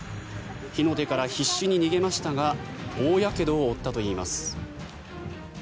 火の手から必死に逃げましたが大やけどを負ったといいます。